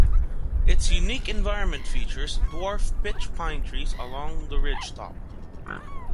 Its unique environment features dwarf pitch pine trees along the ridgetop.